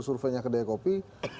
surveinya ke dekopi